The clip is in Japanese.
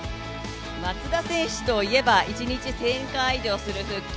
松田選手といえば１日１０００回以上する腹筋。